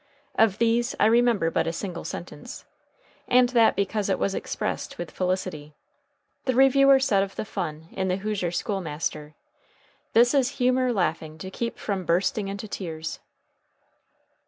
Of these I remember but a single sentence, and that because it was expressed with felicity. The reviewer said of the fun in "The Hoosier School Master:" "This is humor laughing to keep from bursting into tears."